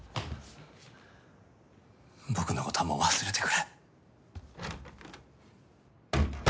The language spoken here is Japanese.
僕のことはもう忘れてくれ。